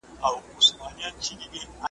همېشه رڼې اوبه پکښي بهاندي .